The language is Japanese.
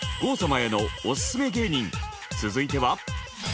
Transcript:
続いては。